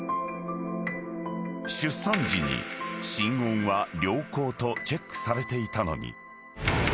［出産時に心音は良好とチェックされていたのに］